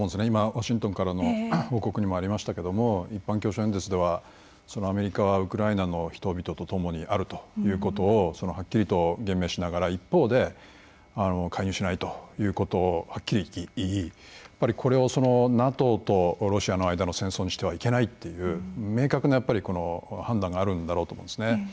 今、ワシントンからの報告にもありましたけれども一般教書演説ではアメリカはウクライナの人々とともにあるということをはっきりと言明しながら、一方で介入しないということをはっきりと言いこれを、ＮＡＴＯとロシアの間の戦争にしてはいけないという明確な判断があるんだろうと思います。